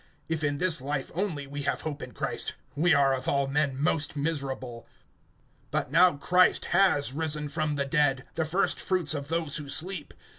(19)If in this life only we have hope in Christ, we are of all men most miserable. (20)But now Christ has risen from the dead, the first fruits of those who sleep.